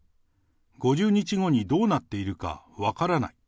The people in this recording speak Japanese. ５０日後にどうなっているか分からない。